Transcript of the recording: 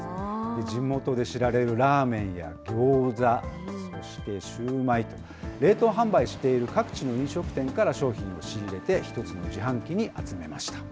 地元で知られるラーメンやギョーザ、そしてシュウマイと、冷凍販売している各地の飲食店から商品を仕入れて、１つの自販機に集めました。